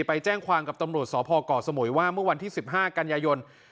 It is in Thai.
ไปแจ้งความกับตำรวจสพก่อสมุยว่าเมื่อวันที่๑๕กันยายน